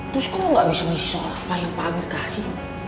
terus kok lo gak bisa nyesel apa yang pak abie kasih